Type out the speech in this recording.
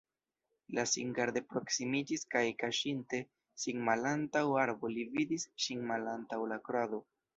Li singarde proksimiĝis kaj kaŝinte sin malantaŭ arbo li vidis ŝin malantaŭ la krado.